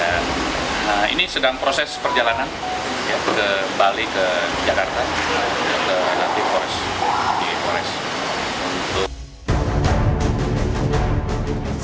pertama kali di pores metro bekasi dan pores tabes bandung berhasil menyebut penangkapan pelaku berdasarkan keterangan dari para saksi yang mengerucut kepada identitas